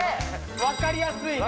分かりやすいね。